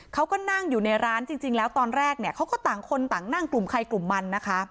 เขาก็นั่งอยู่ในร้านจริงแล้วตอนแรกเนี่ยเขาก็ต่างคนต่างนั่งกลุ่มใครกลุ่มมันนะคะ